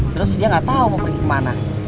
terus dia nggak tahu mau pergi kemana